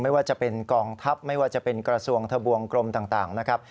ไม่ว่าจะเป็นกองทัพไม่ว่าจะเป็นกระทรวงทะบวงกรมต่างนะครับ